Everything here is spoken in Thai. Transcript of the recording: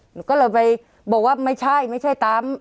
หนูก็เลยไปบอกว่าไม่ใช่ไม่ใช่ตาม